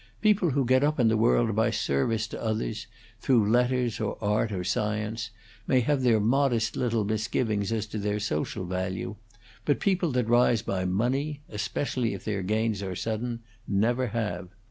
People who get up in the world by service to others through letters, or art, or science may have their modest little misgivings as to their social value, but people that rise by money especially if their gains are sudden never have.